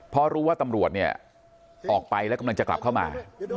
เพราะรู้ว่าตำรวจเนี่ยออกไปแล้วกำลังจะกลับเข้ามา